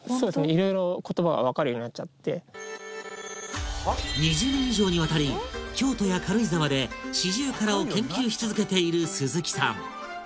いろいろ言葉は２０年以上にわたり京都や軽井沢でシジュウカラを研究し続けている鈴木さん